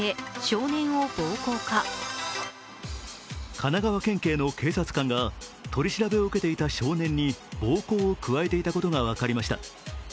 神奈川県警の警察官が取り調べを受けていた少年に暴行を加えていたことが分かりました。